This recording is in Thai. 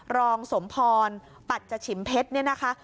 รองสมพรปัจฉิมเพชรเนี่ยนะคะ